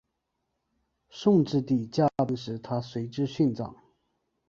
顺治帝驾崩时她随之殉葬。